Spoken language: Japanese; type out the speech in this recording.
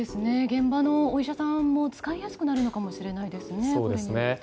現場のお医者さんも使いやすくなるのかもしれないですね。